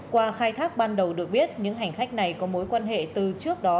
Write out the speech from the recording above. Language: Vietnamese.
qua khai thác ban đầu được biết những hành khách này có mối quan hệ từ trước đó